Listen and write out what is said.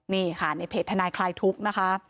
นี่ค่ะในเพจทนายคลายทุกข์นะคะ